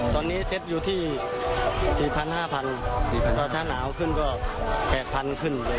ตอนนี้เซ็ตอยู่ที่สี่พันห้าพันสี่พันแล้วถ้าหนาวขึ้นก็แปดพันขึ้นเลย